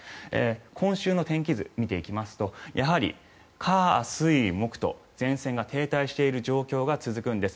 今週の天気図を見ていきますとやはり火水木と前線が停滞している状況が続くんです。